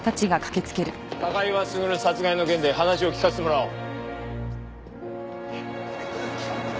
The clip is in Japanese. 高岩卓殺害の件で話を聞かせてもらおう。